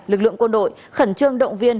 lực lượng quân đội khẩn trương động viên